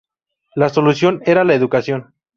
La solución era la educación.